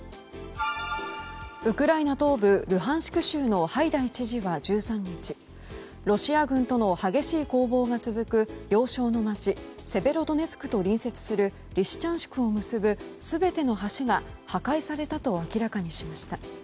ウクライナ東部ルハンシク州のハイダイ知事は１３日ロシア軍との激しい攻防が続く要衝の街セベロドネツクと隣接するリシチャンシクを結ぶ全ての橋が破壊されたと明らかにしました。